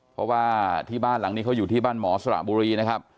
เพราะว่าที่บ้านหลังนี้เขาอยู่ที่บ้านหมอสระบุรีนะครับ